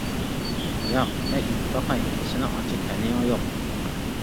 -ياق، مەن ئېتىپ باقاي، سېنىڭ ئانچە تەلىيىڭ يوق.